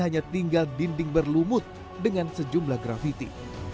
hanya tinggal dinding berlumut dengan sejumlah grafiti